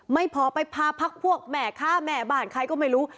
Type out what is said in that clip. ไม่พอไปพาพักพวกแม่ค้าแม่บ้านใครก็ไม่รู้